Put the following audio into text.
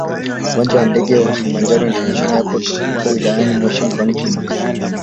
uwanja wa ndege wa kilimanjaro international airport upo wiliyani moshi mkoani Kilimanjaro